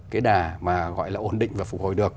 cái đà mà gọi là ổn định và phục hồi được